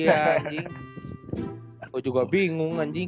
aku juga bingung anjing